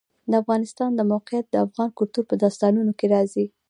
د افغانستان د موقعیت د افغان کلتور په داستانونو کې راځي.